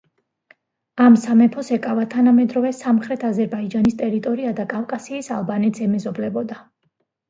ამ სამეფოს ეკავა თანამედროვე სამხრეთ აზერბაიჯანის ტერიტორია და კავკასიის ალბანეთს ემეზობლებოდა.